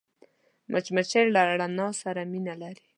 مچمچۍ له رڼا سره مینه لري